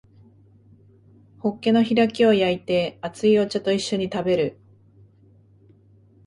ホッケの開きを焼いて熱いお茶と一緒に食べる